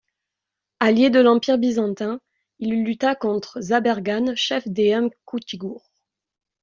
Allié de l'Empire byzantin, il lutta contre Zabergan, chef des Huns Koutrigoures.